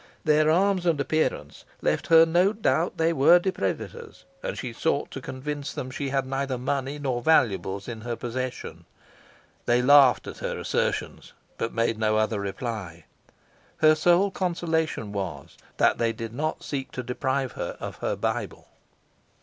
Their arms and appearance left her no doubt they were depredators, and she sought to convince them she had neither money nor valuables in her possession. They laughed at her assertions, but made no other reply. Her sole consolation was, that they did not seek to deprive her of her Bible.